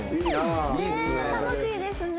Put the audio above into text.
ねえ楽しいですね。